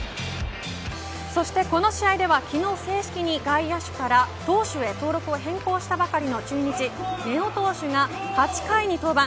そしてこの試合では昨日、正式に外野手から投手へ登録を変更したばかりの中日根尾投手が８回に登板。